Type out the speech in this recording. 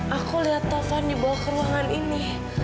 aku lihat tovan dibawa ke ruangan ini